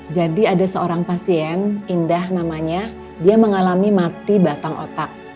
jadi ada seorang pasien indah namanya dia mengalami mati batang otak